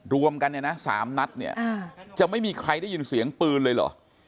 รวมกันเนี่ยนะ๓นัดเนี่ยจะไม่มีใครได้ยินเสียงปืนเลยเหรอ